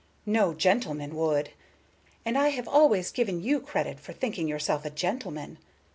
No gentleman would, and I have always given you credit for thinking yourself a gentleman.